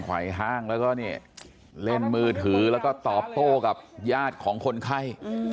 ไหวห้างแล้วก็เนี่ยเล่นมือถือแล้วก็ตอบโต้กับญาติของคนไข้